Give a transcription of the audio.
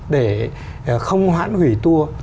để không hoãn hủy tour